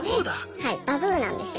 はいバブーなんですよ。